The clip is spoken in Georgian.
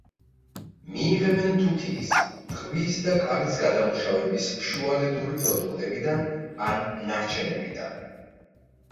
მიიღებენ თუთიის, ტყვიის და კალის გადამუშავების შუალედური პროდუქტებიდან ან ნარჩენებიდან.